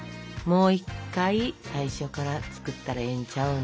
もう１回最初から作ったらええんちゃうの。